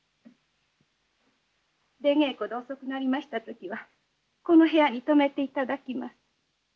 出稽古で遅くなりました時はこの部屋に泊めていただきます。